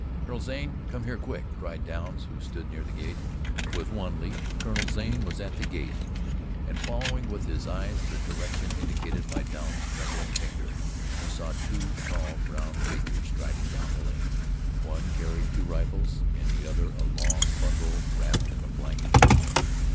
"Colonel Zane, come here quick!" cried Douns, who stood near the gate. With one leap Colonel Zane was at the gate, and, following with his eyes the direction indicated by Douns' trembling finger, he saw two tall, brown figures striding down the lane. One carried two rifles, and the other a long bundle wrapped in a blanket.